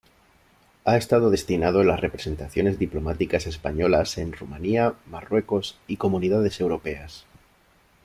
Ha estado destinado en las representaciones diplomáticas españolas en Rumanía, Marruecos y Comunidades Europeas.